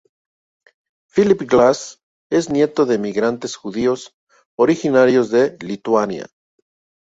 Philip Glass es nieto de inmigrantes judíos originarios de Lituania.